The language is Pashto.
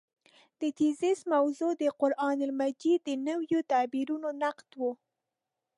د تېزس موضوع د قران مجید د نویو تعبیرونو نقد و.